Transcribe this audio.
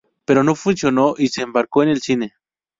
Pero no funcionó y se embarcó en el cine.